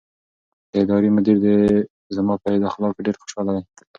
د ادارې مدیر زما په اخلاقو ډېر خوشحاله دی.